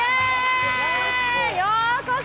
ようこそ！